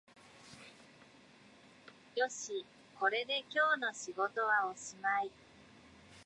よし、これで今日の仕事はおしまい